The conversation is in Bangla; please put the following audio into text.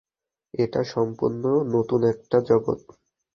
এটা সম্পূর্ণ নতুন একটা জগত।